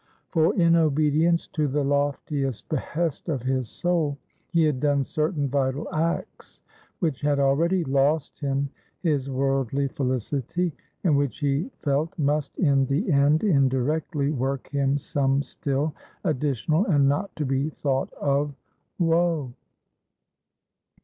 For in obedience to the loftiest behest of his soul, he had done certain vital acts, which had already lost him his worldly felicity, and which he felt must in the end indirectly work him some still additional and not to be thought of woe.